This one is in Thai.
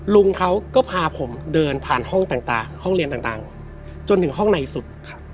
ลุงเค้าก็พาผมเดินผ่านห้องเรียนต่างจนถึงห้องในสุด